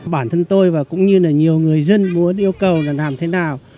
bản thân tôi và cũng như là nhiều người dân muốn yêu cầu là làm thế nào